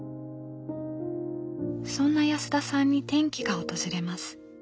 そんな安田さんに転機が訪れます。